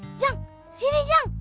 ujang sini ujang